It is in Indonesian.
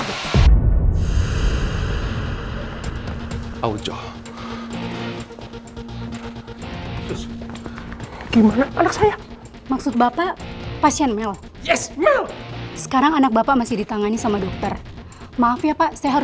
dokter spesialis mata